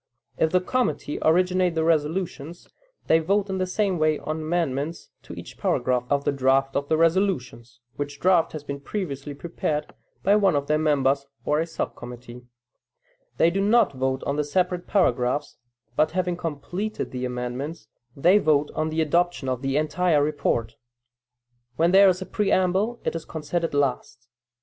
If the committee originate the resolutions, they vote, in the same way, on amendments to each paragraph of the draft of the resolutions, (which draft has been previously prepared by one of their members or a sub committee); they do not vote on the separate paragraphs, but having completed the amendments, they vote on the adoption of the entire report. When there is a preamble, it is considered last.